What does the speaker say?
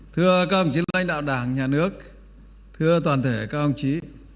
thưa các đồng chí lãnh đạo đảng nhà nước thưa toàn thể các ông chí